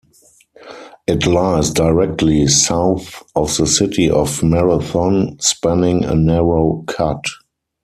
It lies directly south of the City of Marathon, spanning a narrow cut.